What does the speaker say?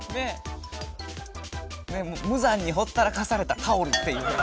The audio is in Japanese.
むざんにほったらかされたタオルっていう。